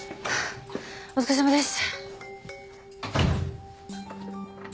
お疲れさまです。